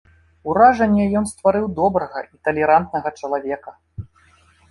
Уражанне ён стварыў добрага і талерантнага чалавека.